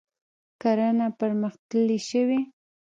کرنه پرمختللې شوې.